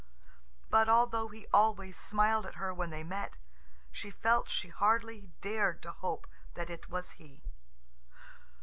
But although he always smiled at her when they met, she felt she hardly dared to hope that it was he.